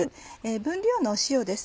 分量の塩です。